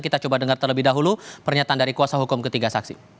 kita coba dengar terlebih dahulu pernyataan dari kuasa hukum ketiga saksi